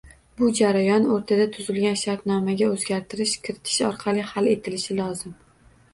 Bu jarayon o‘rtada tuzilgan shartnomaga o‘zgartirish kiritish orqali hal etilishi lozim.